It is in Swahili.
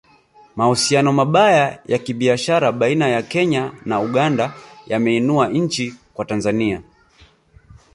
Mahusiano mabaya ya kibiashara baina ya Kenya na Uganda yameinua njia kwa Tanzania